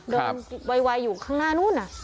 เดินจะยิ่งไวอยู่ข้างหน้านู้นน่ะ